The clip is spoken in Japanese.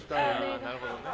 なるほどね。